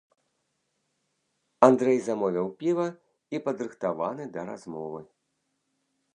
Андрэй замовіў піва і падрыхтаваны да размовы.